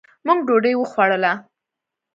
مونږ ډوډي وخوړله